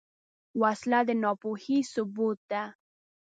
وسله د ناپوهۍ ثبوت ده